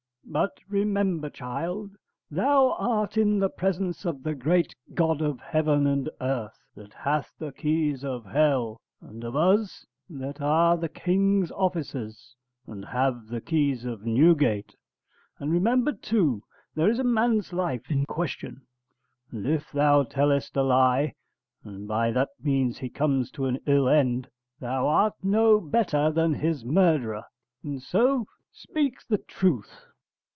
But remember, child, thou art in the presence of the great God of heaven and earth, that hath the keys of hell, and of us that are the king's officers, and have the keys of Newgate; and remember, too, there is a man's life in question; and if thou tellest a lie, and by that means he comes to an ill end, thou art no better than his murderer; and so speak the truth.